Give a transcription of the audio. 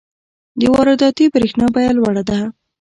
د وارداتي برښنا بیه لوړه ده.